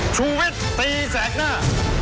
ชูวิทย์ตีแสกหน้า